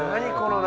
何？